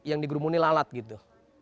yang digrumuni lalat gitu